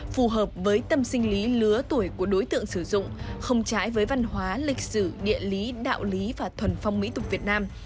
phù hợp với tâm sinh lý lứa tuổi của đối tượng sử dụng không trái với văn hóa lịch sử địa lý đạo lý và thuần phong mỹ tục việt nam